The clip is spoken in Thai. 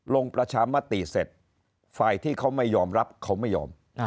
ลงประชามติเสร็จฝ่ายที่เขาไม่ยอมรับเขาไม่ยอม